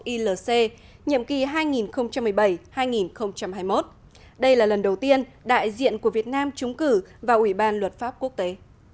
ilc nhiệm kỳ hai nghìn một mươi bảy hai nghìn hai mươi một đây là lần đầu tiên đại diện của việt nam trúng cử vào ủy ban luật pháp quốc tế